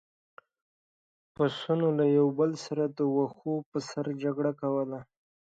پسونو له یو بل سره د واښو پر سر جګړه کوله.